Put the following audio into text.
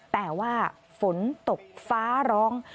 แต่ว่าฝนตกฟ้าร้อง